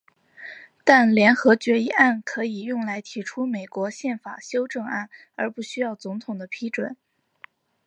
但联合决议案可以用来提出美国宪法修正案而不需要总统的批准。